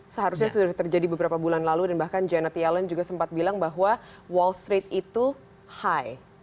seharusnya sudah terjadi beberapa bulan lalu dan bahkan janet yellen juga sempat bilang bahwa wall street itu high